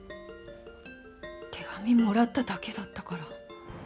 手紙もらっただけだったから